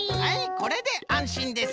これであんしんです。